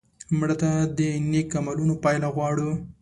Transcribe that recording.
مړه ته د نیک عملونو پایله غواړو